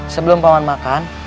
sebelum pak man makan